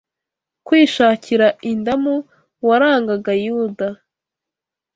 kwishakira indamu warangaga Yuda